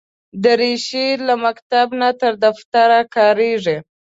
دریشي له مکتب نه تر دفتره کارېږي.